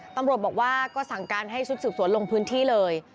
ตำรวจบอกว่าก็สั่งการให้ชุดสืบสวนลงพื้นที่เลย